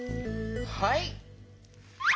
はい。